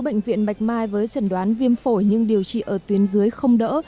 bệnh viện bạch mai với trần đoán viêm phổi nhưng điều trị ở tuyến dưới không đỡ